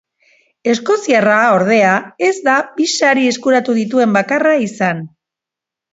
Eskoziarra, ordea, ez da bi sari eskuratu dituen bakarra izan.